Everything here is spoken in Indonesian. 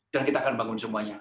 dan kita akan bangun semuanya